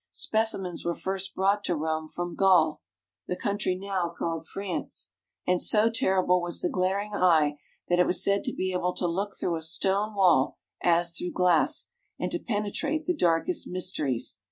Specimens were first brought to Rome from Gaul (the country now called France), and so terrible was the glaring eye that it was said to be able to look through a stone wall as through glass, and to penetrate the darkest mysteries.